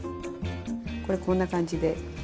これこんな感じで。